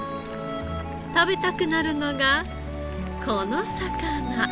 食べたくなるのがこの魚。